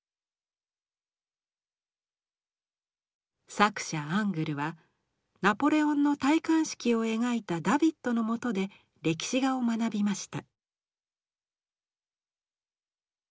作者アングルはナポレオンの戴冠式を描いたダヴィッドのもとで歴史画を学びました。